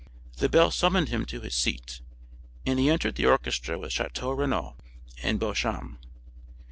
The bell summoned him to his seat, and he entered the orchestra with Château Renaud and Beauchamp.